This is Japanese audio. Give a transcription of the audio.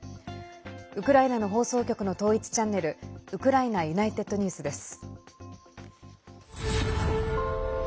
ウクライナの放送局の統一チャンネルウクライナＵｎｉｔｅｄＮｅｗｓです。